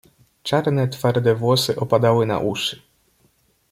"Czarne twarde włosy opadały na uszy."